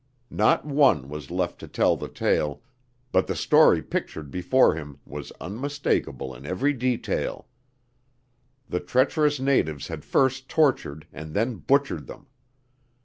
Not one was left to tell the tale, but the story pictured before him was unmistakable in every detail. The treacherous natives had first tortured and then butchered them.